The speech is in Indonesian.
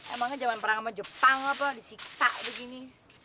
emangnya zaman perang sama jepang apa disiksa begini